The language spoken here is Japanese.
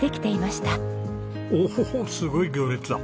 おおっすごい行列だ。